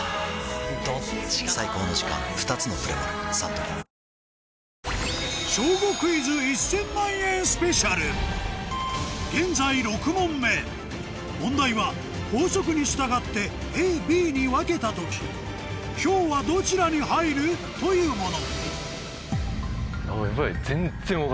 「クリニカ」極薄ヘッド現在６問目問題は法則に従って ＡＢ に分けた時ヒョウはどちらに入る？というもの